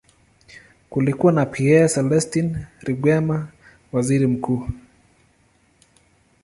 Kulikuwa na Pierre Celestin Rwigema, waziri mkuu.